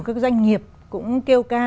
các doanh nghiệp cũng kêu ca